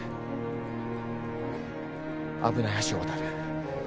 危ない橋を渡る。